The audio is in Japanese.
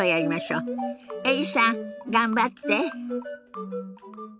エリさん頑張って。